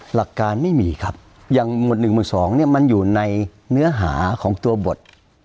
หลักการไม่มีครับอย่างหมวด๑๒๐๐เนี่ยมันอยู่ในเนื้อหาของตัวบท